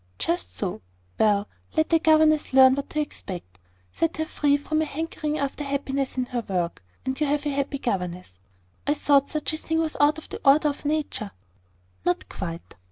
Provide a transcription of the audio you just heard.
"Just so. Well: let a governess learn what to expect; set her free from a hankering after happiness in her work, and you have a happy governess." "I thought such a thing was out of the order of nature." "Not quite.